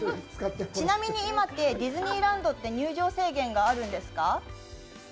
ちなみに、今って、ディズニーランドって入場制限があるんですか？